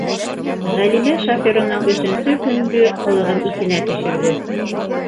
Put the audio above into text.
Ғәлимә шоферының өсөнсө көнгө ҡылығын иҫенә төшөрҙө.